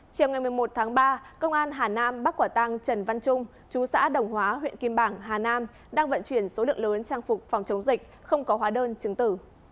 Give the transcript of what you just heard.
chiều ngày một mươi một tháng ba công an hà nam bắt quả tăng trần văn trung chú xã đồng hóa huyện kim bảng hà nam đang vận chuyển số lượng lớn trang phục phòng chống dịch không có hóa đơn chứng tử